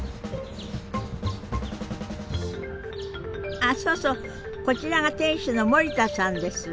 あそうそうこちらが店主の森田さんです。